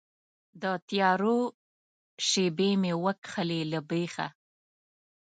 د تیارو شیبې مې وکښلې له بیخه